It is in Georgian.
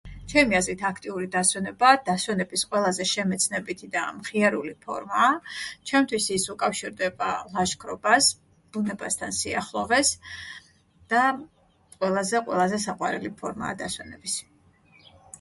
ჩემი აზრით აქტიური დასვენებაა დასვენების ყველაზე შემეცნებითი და მხიარული ფორმაა, ჩემთვის ის უკავშირდება ლაშქრობას, ბუნებასთან სიახლოვეს და ყველაზე, ყველაზე საყვერელი ფორმაა დასვენების.